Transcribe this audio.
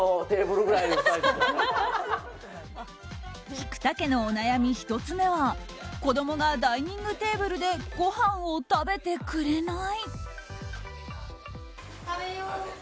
菊田家のお悩み、１つ目は子供がダイニングテーブルでごはんを食べてくれない。